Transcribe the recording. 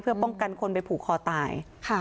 เพื่อป้องกันคนไปผูกคอตาย